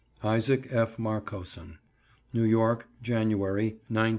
ISAAC F. MARCOSSON. New York, January, 1910.